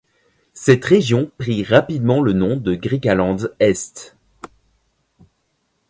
Cette région prit rapidement le nom de Griqualand est.